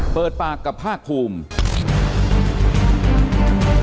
เปิดปากกับภาคภูมิ